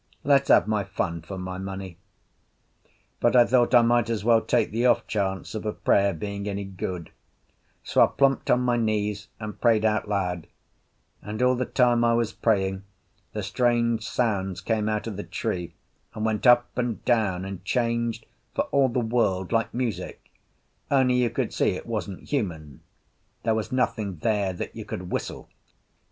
Let's have my fun for my money." But I thought I might as well take the off chance of a prayer being any good; so I plumped on my knees and prayed out loud; and all the time I was praying the strange sounds came out of the tree, and went up and down, and changed, for all the world like music, only you could see it wasn't human—there was nothing there that you could whistle.